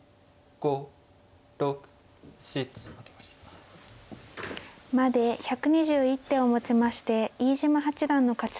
まで１２１手をもちまして飯島八段の勝ちとなりました。